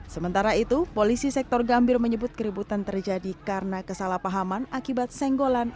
sementara itu polisi sektor gambir menyebut keributan terjadi karena kesalahpahaman akibat senggolan